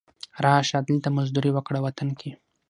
را شه، دلته مزدوري وکړه وطن کې